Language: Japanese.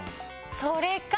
それか！